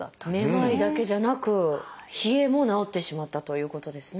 めまいだけじゃなく冷えも治ってしまったということですね。